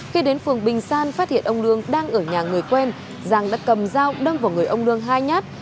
khi đến phường bình san phát hiện ông lương đang ở nhà người quen giang đã cầm dao đâm vào người ông lương hai nhát